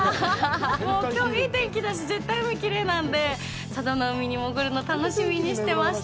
きょう、いい天気だし絶対海きれいなんで佐渡の海に潜るの楽しみにしてました。